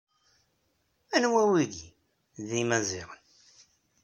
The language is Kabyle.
Anwa wigi? D Imaziɣen.